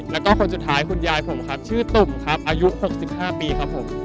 แล้วก็คนสุดท้ายคุณยายผมครับชื่อตุ่มครับอายุ๖๕ปีครับผม